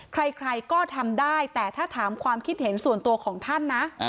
ใครก็ทำได้แต่ถ้าถามความคิดเห็นส่วนตัวของท่านนะ